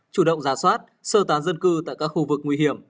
chủ động giả soát sơ tán dân cư tại các khu vực nguy hiểm